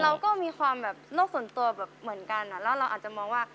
เราก็มีความแบบโลกส่วนตัวแบบเหมือนกันแล้วเราอาจจะมองว่า